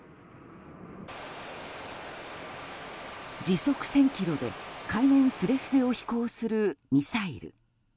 時速１０００キロで海面すれすれを飛行するミサイル。